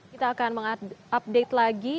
kita akan mengupdate lagi